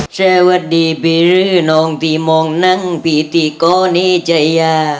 สวัสดีพี่รื้อน้องที่มองนั่งพี่ที่ก้อนิจยา